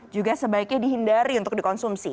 juga sebaiknya dihindari untuk dikonsumsi